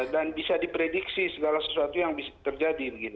dan bisa diprediksi segala sesuatu yang bisa terjadi